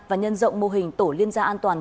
và nhân rộng mô hình tổ liên gia an toàn